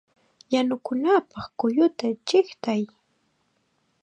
¡Yanukunapaq kulluta chiqtay!